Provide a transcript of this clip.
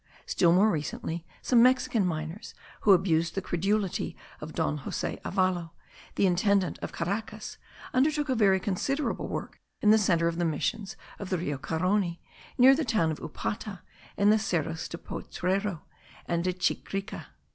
Still more recently, some Mexican miners, who abused the credulity of Don Jose Avalo, the intendant of Caracas, undertook a very considerable work in the centre of the missions of the Rio Carony, near the town of Upata, in the Cerros del Potrero and de Chirica.